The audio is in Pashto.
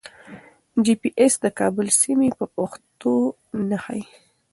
جي پي ایس د کابل سیمې په پښتو نه ښیي.